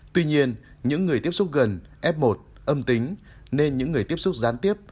tuy nhiên những người tiếp xúc gần f một âm tính nên những người tiếp xúc gián tiếp